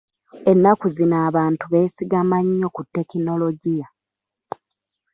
Ennaku zino abantu beesigama nnyo ku tekinologiya.